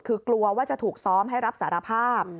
คือกลัวว่าจะถูกซ้อมให้รับสารภาพ